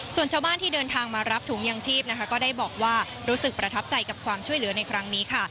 ส่วนชาวบ้านที่เดินทางมารับถุงยังชีพนะคะก็ได้บอกว่ารู้สึกประทับใจกับความช่วยเหลือในครั้งนี้ค่ะ